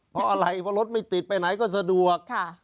เพราะอะไรเพราะรถไม่ติดไปไหนก็สะดวก